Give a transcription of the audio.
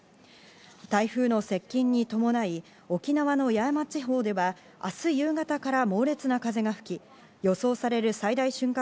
台風の接近に伴い沖縄の八重山地方では明日夕方から猛烈な風が吹き、予想される最大瞬間